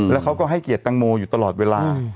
แล้วเขาก็ให้เกียรติตังโมอยู่ตลอดเวลา